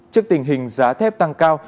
trước tình hình giá thép tăng cao